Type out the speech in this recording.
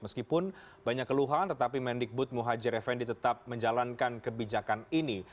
meskipun banyak keluhan tetapi mendikbud muhajir effendi tetap menjalankan kebijakan ini